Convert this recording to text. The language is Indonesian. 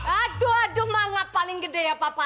aduh aduh mangap paling gede ya papa